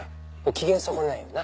機嫌損ねないようにな。